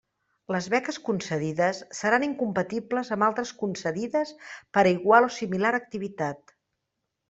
Les beques concedides seran incompatibles amb altres concedides per a igual o similar activitat.